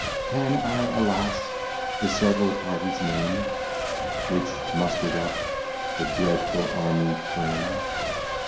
Can I, alas, the sev'ral Parties name, Which, muster'd up, the Dreadful Army frame?